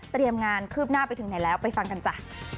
งานคืบหน้าไปถึงไหนแล้วไปฟังกันจ้ะ